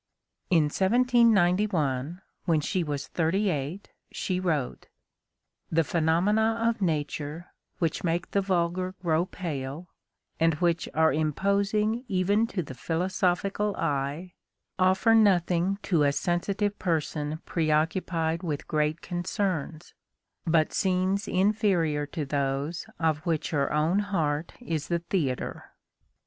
In 1791, when she was thirty eight, she wrote: "The phenomena of nature, which make the vulgar grow pale, and which are imposing even to the philosophical eye, offer nothing to a sensitive person preoccupied with great concerns, but scenes inferior to those of which her own heart is the theatre."